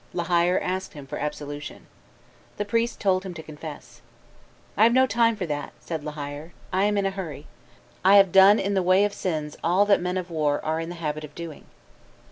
La Hire asked him for absolution. The priest told him to confess. "I have no time for that," said La Hire; "I am in a hurry; I have done in the way of sins all that men of war are in the habit of doing."